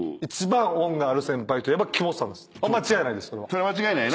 それは間違いないな。